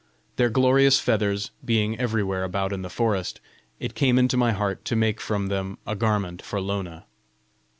Their glorious feathers being everywhere about in the forest, it came into my heart to make from them a garment for Lona.